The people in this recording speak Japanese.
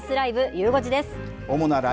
ゆう５時です。